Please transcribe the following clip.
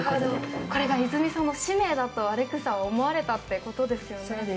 これがイズミさんの使命だとアレックスさんは思われたということですよね？